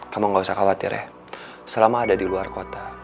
kamu gak usah khawatir ya selama ada di luar kota